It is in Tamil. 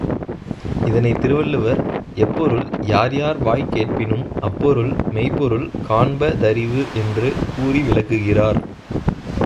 இதனைத் திருவள்ளுவர், எப்பொருள் யார்யார் வாய்க் கேட்பினும் அப்பொருள் மெய்ப்பொருள் காண்ப தறிவு என்று கூறி விளக்குகிறார்!